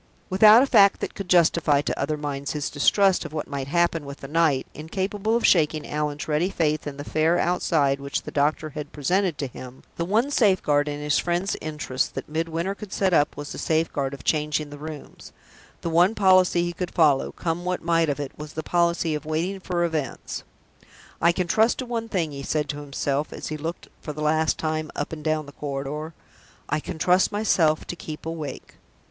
Without a fact that could justify to other minds his distrust of what might happen with the night, incapable of shaking Allan's ready faith in the fair outside which the doctor had presented to him, the one safeguard in his friend's interests that Midwinter could set up was the safeguard of changing the rooms the one policy he could follow, come what might of it, was the policy of waiting for events. "I can trust to one thing," he said to himself, as he looked for the last time up and down the corridor "I can trust myself to keep awake."